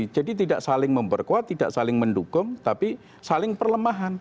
jadi tidak saling memperkuat tidak saling mendukung tapi saling perlemahan